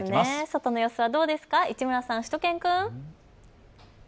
外の予想どうですか市村さん、しゅと犬くん。